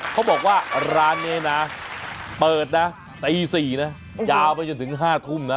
เขาบอกว่าร้านนี้นะเปิดนะตี๔นะยาวไปจนถึง๕ทุ่มนะ